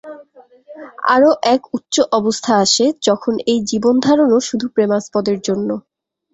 আরও এক উচ্চ অবস্থা আসে, যখন এই জীবনধারণও শুধু প্রেমাস্পদের জন্য।